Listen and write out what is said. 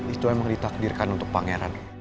itu emang ditakdirkan untuk pangeran